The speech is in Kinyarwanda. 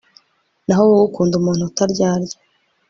naho wowe ukunda umuntu utaryarya